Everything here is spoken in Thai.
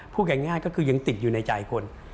พูดง่ายก็คือยังติดอยู่ในใจคน